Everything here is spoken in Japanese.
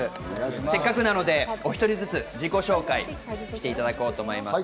せっかくなのでお１人ずつ自己紹介していただこうと思います。